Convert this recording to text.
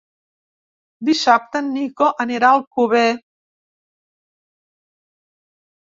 Dissabte en Nico anirà a Alcover.